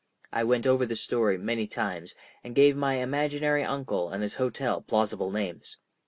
I went over the story many times, and gave my imaginary uncle and his hotel plausible names.